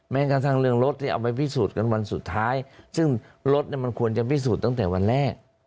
แม้กระทั่งเรื่องรถที่เอาไปพิสูจน์กันวันสุดท้ายซึ่งรถมันควรจะพิสูจน์ตั้งแต่วันแรก